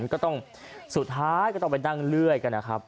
ก็ต้องสุดท้ายก็ต้องไปนั่งเรื่อยกันนะครับ